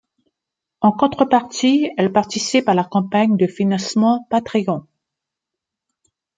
En contrepartie, elle participe à la campagne de financement Patreon.